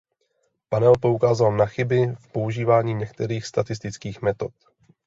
Panel poukázal na chyby v používání některých statistických metod.